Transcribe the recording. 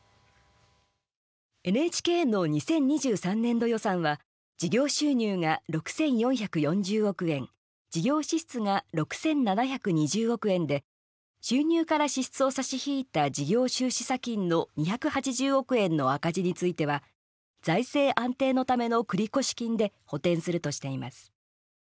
ＮＨＫの２０２３年度予算は事業収入が６４４０億円事業支出が６７２０億円で収入から支出を差し引いた事業収支差金の２８０億円の赤字については「財政安定のための繰越金」で補填するとしています。